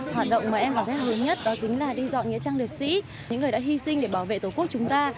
hoạt động mà em cảm giác hướng nhất đó chính là đi dọn nghĩa trang liệt sĩ những người đã hy sinh để bảo vệ tổ quốc chúng ta